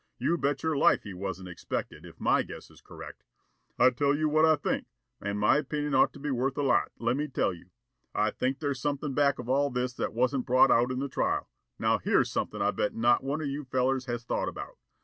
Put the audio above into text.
You bet your life he wasn't expected, if my guess is correct. I tell you what I think, and my opinion ought to be worth a lot, lemme tell you, I think there's something back of all this that wasn't brought out in the trial. Now here's something I bet not one of you fellers has thought about.